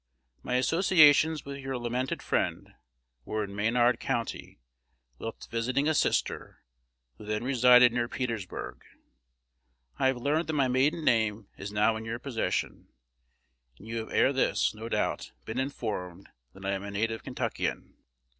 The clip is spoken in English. My associations with your lamented friend were in Menard County, whilst visiting a sister, who then resided near Petersburg. I have learned that my maiden name is now in your possession; and you have ere this, no doubt, been informed that I am a native Kentuckian.